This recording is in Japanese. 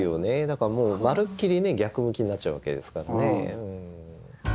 だからもうまるっきりね逆向きになっちゃうわけですからね。